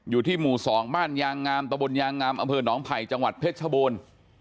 อยู่ที่หมู่๒บ้านยางงามตะบนยางงามอำเภอหนองไผ่จังหวัดเพชรชบูรณ์